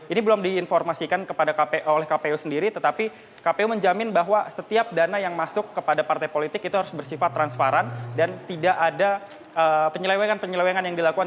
ini belum diinformasikan oleh kpu sendiri tetapi kpu menjamin bahwa setiap dana yang masuk kepada partai politik itu harus bersifat transparan dan tidak ada penyelewengan penyelewengan yang dilakukan